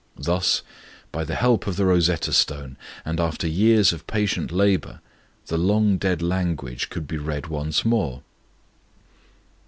Thus, by the help of the Rosetta Stone, and after years of patient labour, the long dead language could be read once more.